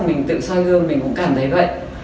mình tự soi gương mình cũng cảm thấy vậy